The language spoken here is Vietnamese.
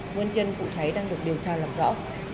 nguyên nhân vụ cháy đang được điều tra làm rõ